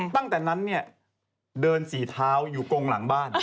ตั้งแต่นั้นเนี่ยเดินสีเท้าอยู่กงหลังบ้าน